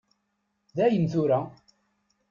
Dayen tura!